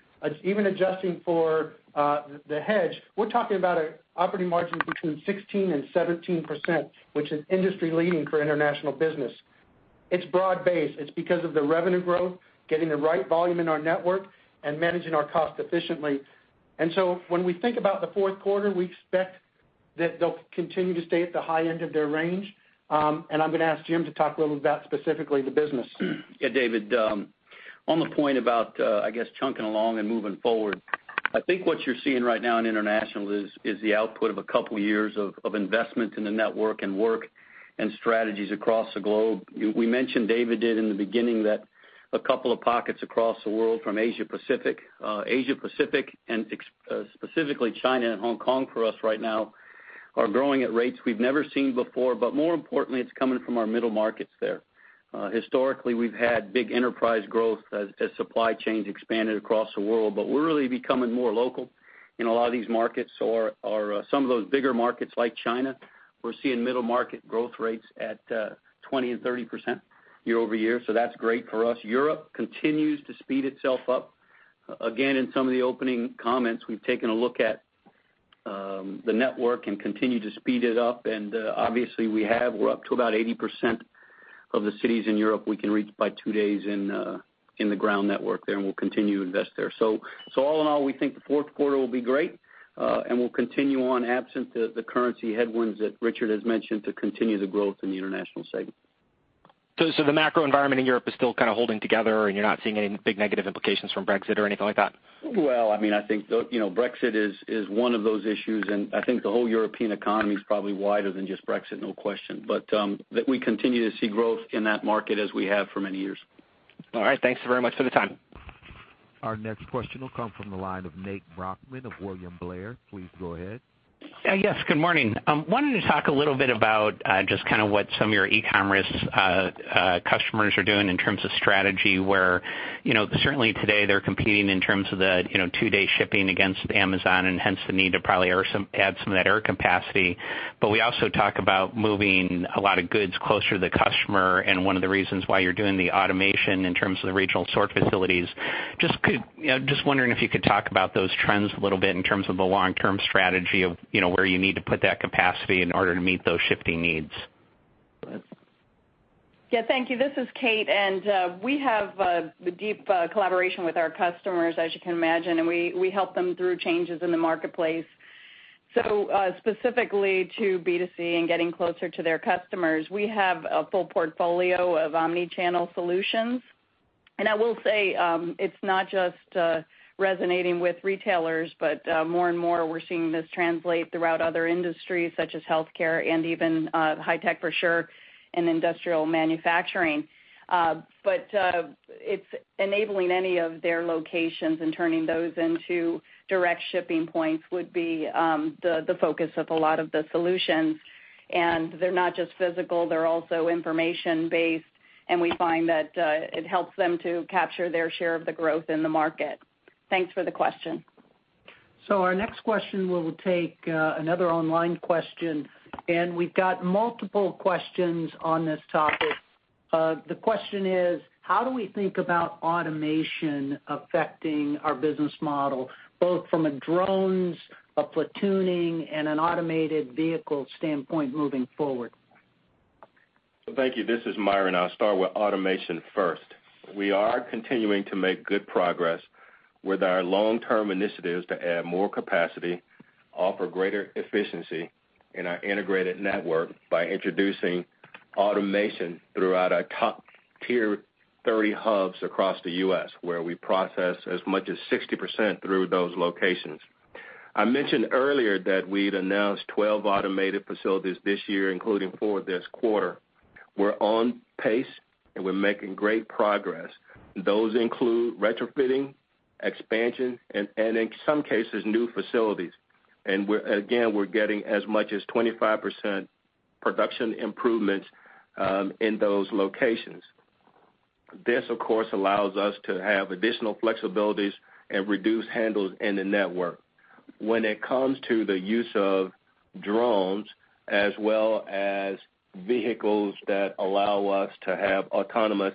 Even adjusting for the hedge, we're talking about an operating margin between 16%-17%, which is industry leading for international business. It's broad-based. It's because of the revenue growth, getting the right volume in our network and managing our cost efficiently. When we think about the fourth quarter, we expect that they'll continue to stay at the high end of their range. I'm going to ask Jim to talk a little bit about specifically the business. Yeah, David. On the point about, I guess, chunking along and moving forward I think what you're seeing right now in international is the output of a couple years of investment in the network and work and strategies across the globe. We mentioned, David did in the beginning, that a couple of pockets across the world from Asia Pacific. Asia Pacific and specifically China and Hong Kong for us right now are growing at rates we've never seen before, but more importantly, it's coming from our middle markets there. Historically, we've had big enterprise growth as supply chains expanded across the world, but we're really becoming more local in a lot of these markets or some of those bigger markets like China. We're seeing middle market growth rates at 20% and 30% year-over-year. That's great for us. Europe continues to speed itself up. Again, in some of the opening comments, we've taken a look at the network and continue to speed it up, and obviously we have. We're up to about 80% of the cities in Europe we can reach by two days in the ground network there, and we'll continue to invest there. All in all, we think the fourth quarter will be great, and we'll continue on absent the currency headwinds that Richard has mentioned to continue the growth in the international segment. The macro environment in Europe is still kind of holding together and you're not seeing any big negative implications from Brexit or anything like that? Well, I think Brexit is one of those issues, and I think the whole European economy is probably wider than just Brexit, no question. That we continue to see growth in that market as we have for many years. All right. Thanks very much for the time. Our next question will come from the line of Nate Brochmann of William Blair. Please go ahead. Yes, good morning. Wanted to talk a little bit about just kind of what some of your e-commerce customers are doing in terms of strategy, where certainly today they're competing in terms of the two-day shipping against Amazon and hence the need to probably add some of that air capacity. We also talk about moving a lot of goods closer to the customer, and one of the reasons why you're doing the automation in terms of the regional sort facilities. Just wondering if you could talk about those trends a little bit in terms of the long-term strategy of where you need to put that capacity in order to meet those shifting needs. Yeah, thank you. This is Kate, and we have a deep collaboration with our customers, as you can imagine, and we help them through changes in the marketplace. Specifically to B2C and getting closer to their customers, we have a full portfolio of omni-channel solutions. I will say, it's not just resonating with retailers, but more and more we're seeing this translate throughout other industries such as healthcare and even high tech for sure, and industrial manufacturing. It's enabling any of their locations and turning those into direct shipping points would be the focus of a lot of the solutions. They're not just physical, they're also information-based, and we find that it helps them to capture their share of the growth in the market. Thanks for the question. Our next question, we will take another online question, we've got multiple questions on this topic. The question is: how do we think about automation affecting our business model, both from a drones, a platooning, and an automated vehicle standpoint moving forward? Thank you. This is Myron Gray. I'll start with automation first. We are continuing to make good progress with our long-term initiatives to add more capacity, offer greater efficiency in our integrated network by introducing automation throughout our top tier 30 hubs across the U.S., where we process as much as 60% through those locations. I mentioned earlier that we'd announced 12 automated facilities this year, including four this quarter. We're on pace, and we're making great progress. Those include retrofitting, expansion, and in some cases, new facilities. Again, we're getting as much as 25% production improvements in those locations. This, of course, allows us to have additional flexibilities and reduce handles in the network. When it comes to the use of drones as well as vehicles that allow us to have autonomous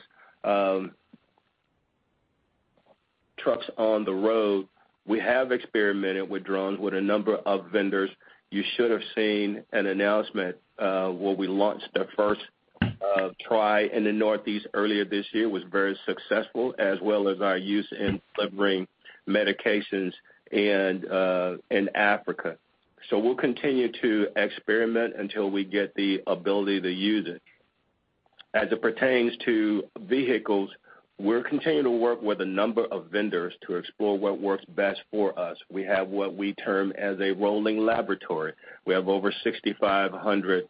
trucks on the road, we have experimented with drones with a number of vendors. You should have seen an announcement where we launched the first try in the Northeast earlier this year. It was very successful, as well as our use in delivering medications in Africa. We'll continue to experiment until we get the ability to use it. As it pertains to vehicles, we're continuing to work with a number of vendors to explore what works best for us. We have what we term as a rolling laboratory. We have over 6,500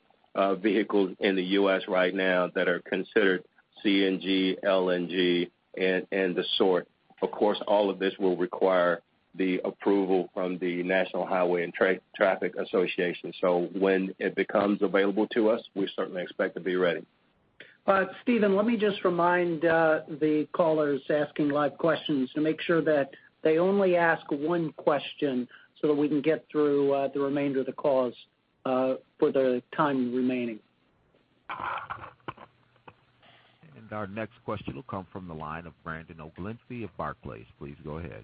vehicles in the U.S. right now that are considered CNG, LNG, and the sort. Of course, all of this will require the approval from the National Highway Traffic Safety Administration. When it becomes available to us, we certainly expect to be ready. Steven, let me just remind the callers asking live questions to make sure that they only ask one question so that we can get through the remainder of the calls for the time remaining. Our next question will come from the line of Brandon Oglenski of Barclays. Please go ahead.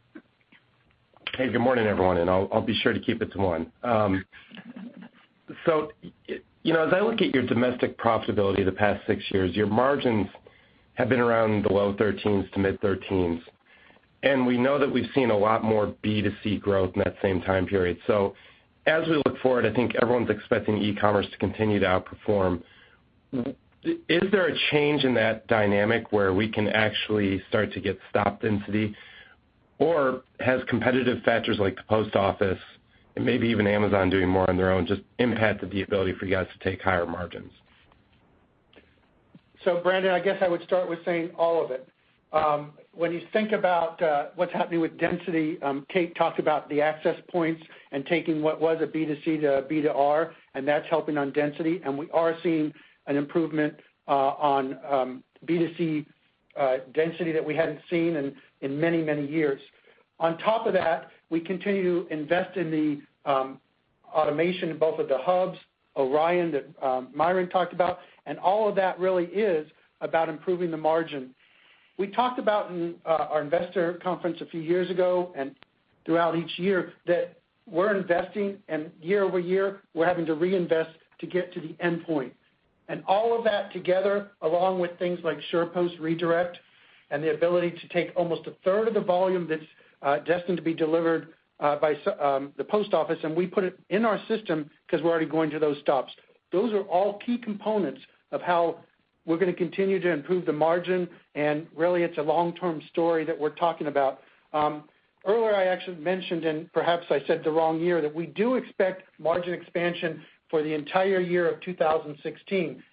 Hey, good morning, everyone, and I'll be sure to keep it to one. As I look at your domestic profitability the past six years, your margins have been around the low thirteens to mid thirteens. We know that we've seen a lot more B2C growth in that same time period. As we look forward, I think everyone's expecting e-commerce to continue to outperform. Is there a change in that dynamic where we can actually start to get stop density? Or has competitive factors like the post office, and maybe even Amazon doing more on their own, just impacted the ability for you guys to take higher margins? Brandon, I guess I would start with saying all of it. When you think about what's happening with density, Kate talked about the access points and taking what was a B2C to a B2R, and that's helping on density. We are seeing an improvement on B2C density that we hadn't seen in many, many years. On top of that, we continue to invest in the automation in both of the hubs, ORION, that Myron talked about, and all of that really is about improving the margin. We talked about in our investor conference a few years ago, and throughout each year, that we're investing, and year-over-year, we're having to reinvest to get to the endpoint. All of that together, along with things like SurePost Redirect, and the ability to take almost a third of the volume that's destined to be delivered by the post office, and we put it in our system because we're already going to those stops. Those are all key components of how we're going to continue to improve the margin, and really, it's a long-term story that we're talking about. Earlier, I actually mentioned, and perhaps I said the wrong year, that we do expect margin expansion for the entire year of 2016.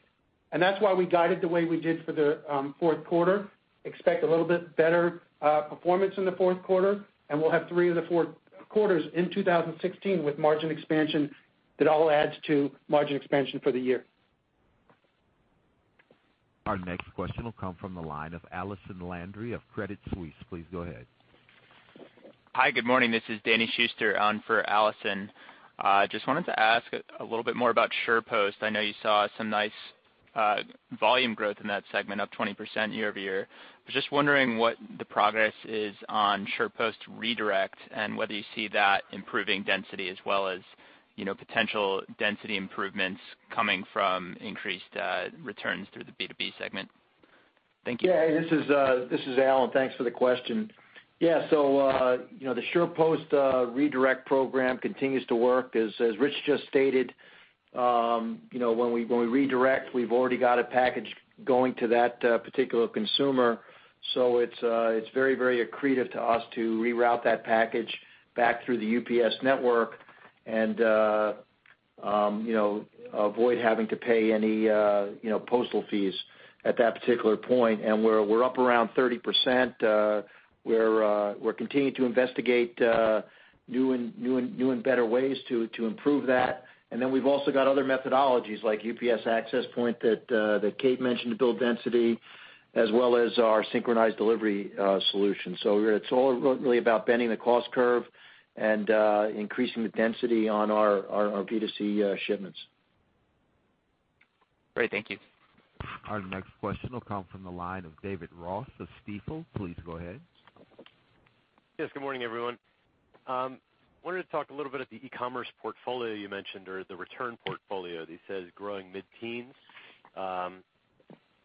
That's why we guided the way we did for the fourth quarter. Expect a little bit better performance in the fourth quarter. We'll have three of the four quarters in 2016 with margin expansion that all adds to margin expansion for the year. Our next question will come from the line of Allison Landry of Credit Suisse. Please go ahead. Hi, good morning. This is Danny Schuster on for Allison. Just wanted to ask a little bit more about SurePost. I know you saw some nice volume growth in that segment, up 20% year-over-year. Was just wondering what the progress is on SurePost Redirect, and whether you see that improving density as well as potential density improvements coming from increased returns through the B2B segment. Thank you. Yeah, this is Alan. Thanks for the question. Yeah. The SurePost Redirect program continues to work. As Rich just stated, when we redirect, we've already got a package going to that particular consumer, so it's very accretive to us to reroute that package back through the UPS network and avoid having to pay any postal fees at that particular point. We're up around 30%. We're continuing to investigate new and better ways to improve that. Then we've also got other methodologies like UPS Access Point that Kate mentioned to build density, as well as our Synchronized Delivery solution. It's all really about bending the cost curve and increasing the density on our B2C shipments. Great. Thank you. Our next question will come from the line of David Ross of Stifel. Please go ahead. Yes, good morning, everyone. Wanted to talk a little bit at the e-commerce portfolio you mentioned or the return portfolio that you said is growing mid-teens.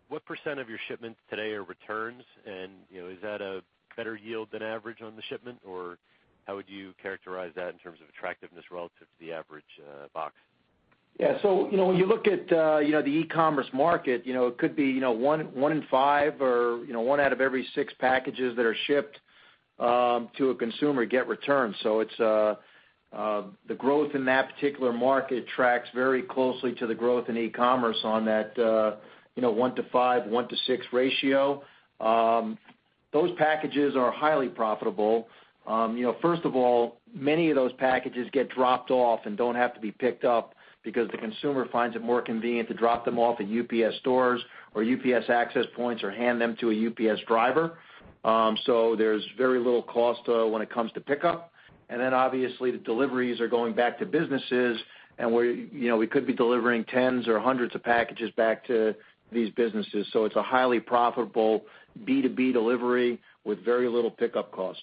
What % of your shipments today are returns? Is that a better yield than average on the shipment? Or how would you characterize that in terms of attractiveness relative to the average box? Yeah. When you look at the e-commerce market, it could be one in five or one out of every six packages that are shipped to a consumer get returned. The growth in that particular market tracks very closely to the growth in e-commerce on that 1 to 5, 1 to 6 ratio. Those packages are highly profitable. First of all, many of those packages get dropped off and don't have to be picked up because the consumer finds it more convenient to drop them off at UPS Stores or UPS Access Points or hand them to a UPS driver. There's very little cost when it comes to pickup. Obviously the deliveries are going back to businesses and we could be delivering tens or hundreds of packages back to these businesses. It's a highly profitable B2B delivery with very little pickup cost.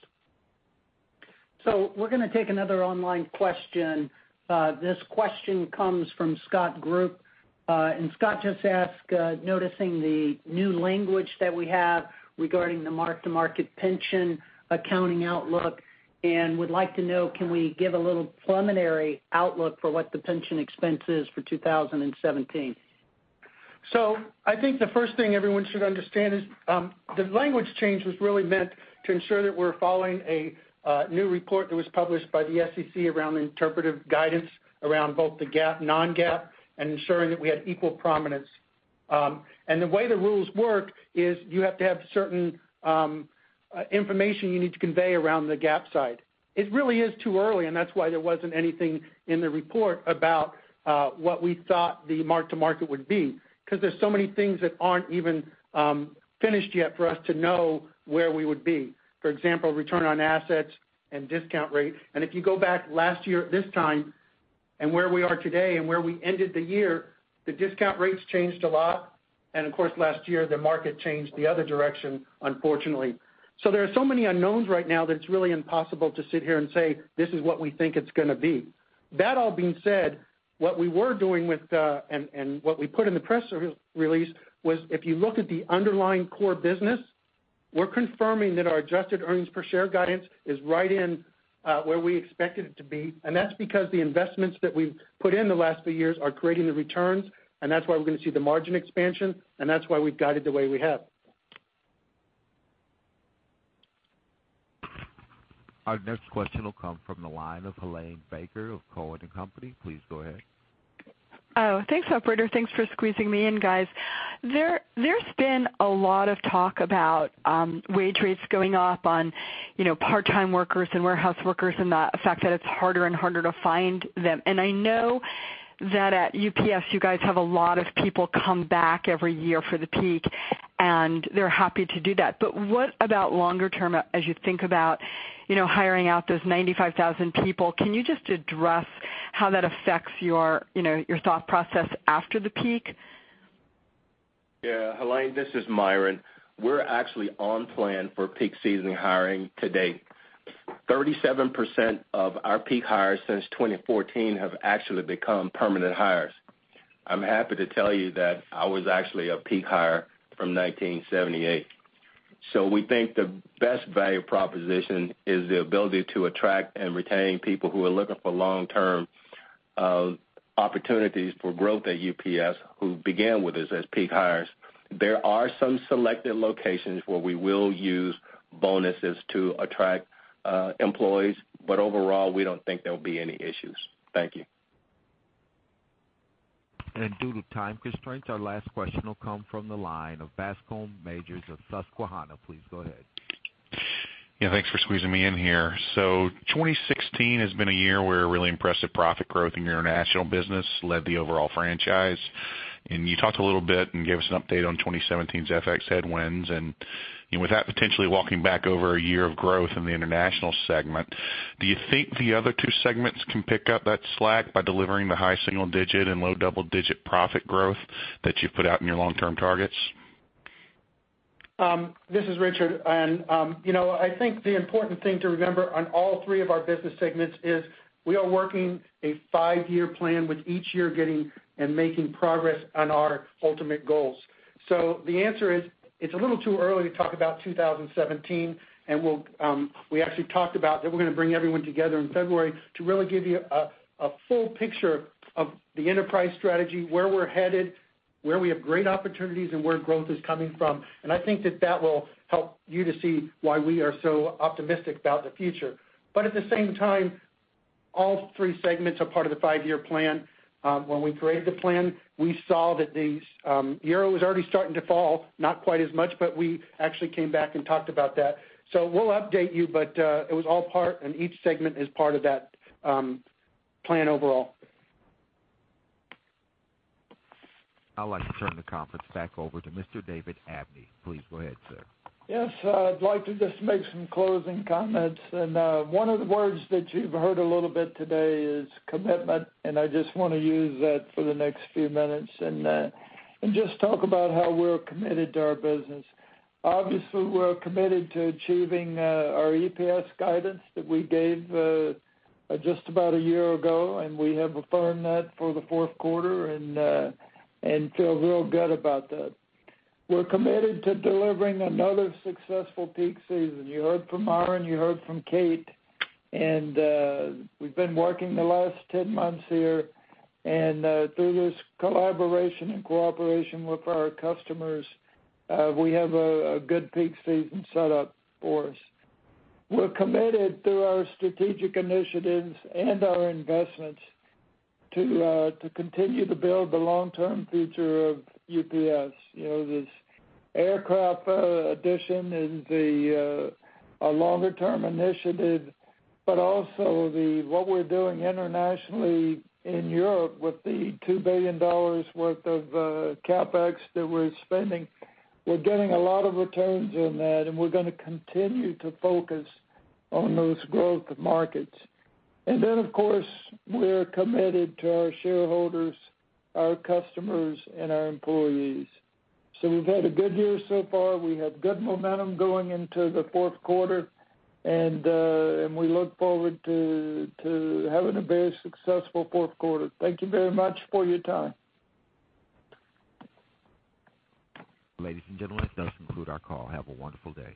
We're going to take another online question. This question comes from Scott Group. Scott just asked, noticing the new language that we have regarding the mark-to-market pension accounting outlook and would like to know, can we give a little preliminary outlook for what the pension expense is for 2017? I think the first thing everyone should understand is the language change was really meant to ensure that we're following a new report that was published by the SEC around the interpretive guidance around both the GAAP, non-GAAP, and ensuring that we had equal prominence. The way the rules work is you have to have certain information you need to convey around the GAAP side. It really is too early, and that's why there wasn't anything in the report about what we thought the mark-to-market would be because there's so many things that aren't even finished yet for us to know where we would be. For example, return on assets and discount rate. If you go back last year at this time and where we are today and where we ended the year, the discount rates changed a lot. Of course, last year, the market changed the other direction, unfortunately. There are so many unknowns right now that it's really impossible to sit here and say, "This is what we think it's going to be." That all being said, what we were doing and what we put in the press release was if you look at the underlying core business We're confirming that our adjusted earnings per share guidance is right in where we expect it to be. That's because the investments that we've put in the last few years are creating the returns, and that's why we're going to see the margin expansion, and that's why we've guided the way we have. Our next question will come from the line of Helane Becker of Cowen and Company. Please go ahead. Thanks operator. Thanks for squeezing me in, guys. There's been a lot of talk about wage rates going up on part-time workers and warehouse workers, and the fact that it's harder and harder to find them. I know that at UPS, you guys have a lot of people come back every year for the peak, and they're happy to do that. What about longer term as you think about hiring out those 95,000 people? Can you just address how that affects your thought process after the peak? Helane, this is Myron. We're actually on plan for peak season hiring to date. 37% of our peak hires since 2014 have actually become permanent hires. I'm happy to tell you that I was actually a peak hire from 1978. We think the best value proposition is the ability to attract and retain people who are looking for long-term opportunities for growth at UPS, who began with us as peak hires. There are some selected locations where we will use bonuses to attract employees, but overall, we don't think there will be any issues. Thank you. Due to time constraints, our last question will come from the line of Bascome Majors of Susquehanna. Please go ahead. Thanks for squeezing me in here. 2016 has been a year where really impressive profit growth in your International Business led the overall franchise. You talked a little bit and gave us an update on 2017's FX headwinds, and with that potentially walking back over a year of growth in the International Segment, do you think the other two segments can pick up that slack by delivering the high single-digit and low double-digit profit growth that you've put out in your long-term targets? This is Richard. I think the important thing to remember on all three of our Business Segments is we are working a five-year plan with each year getting and making progress on our ultimate goals. The answer is, it's a little too early to talk about 2017, and we actually talked about that we're going to bring everyone together in February to really give you a full picture of the enterprise strategy, where we're headed, where we have great opportunities, and where growth is coming from. I think that that will help you to see why we are so optimistic about the future. At the same time, all three segments are part of the five-year plan. When we created the plan, we saw that the Euro was already starting to fall, not quite as much, but we actually came back and talked about that. We'll update you, it was all part, each segment is part of that plan overall. I'd like to turn the conference back over to Mr. David Abney. Please go ahead, sir. Yes. I'd like to just make some closing comments. One of the words that you've heard a little bit today is commitment, I just want to use that for the next few minutes and just talk about how we're committed to our business. Obviously, we're committed to achieving our EPS guidance that we gave just about a year ago, we have affirmed that for the fourth quarter and feel real good about that. We're committed to delivering another successful peak season. You heard from Myron, you heard from Kate, we've been working the last 10 months here, through this collaboration and cooperation with our customers, we have a good peak season set up for us. We're committed through our strategic initiatives and our investments to continue to build the long-term future of UPS. This aircraft addition is a longer-term initiative, also what we're doing internationally in Europe with the $2 billion worth of CapEx that we're spending, we're getting a lot of returns on that, we're going to continue to focus on those growth markets. Of course, we're committed to our shareholders, our customers, and our employees. We've had a good year so far. We have good momentum going into the fourth quarter, we look forward to having a very successful fourth quarter. Thank you very much for your time. Ladies and gentlemen, this does conclude our call. Have a wonderful day.